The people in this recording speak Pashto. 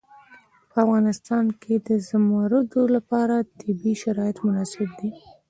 په افغانستان کې د زمرد لپاره طبیعي شرایط مناسب دي.